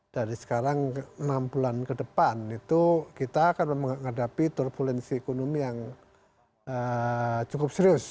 dari sekarang enam bulan ke depan itu kita akan menghadapi turbulensi ekonomi yang cukup serius